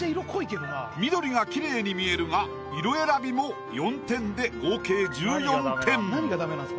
緑がキレイに見えるが色選びも４点で合計１４点。